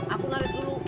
aku lari dulu